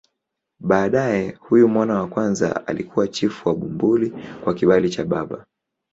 Baadaye huyu mwana wa kwanza alikuwa chifu wa Bumbuli kwa kibali cha baba.